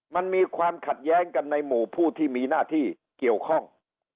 มันมีความขัดแย้งกันในหมู่ผู้ที่มีหน้าที่เกี่ยวข้อง